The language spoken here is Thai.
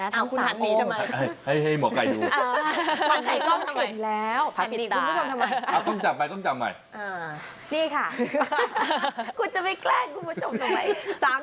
ทั้ง๓คนให้หมอกัยดูวันให้กล้องถึงแล้วพระปิดตานี่ค่ะคุณจะไม่แกล้งคุณมาจบตรงไหน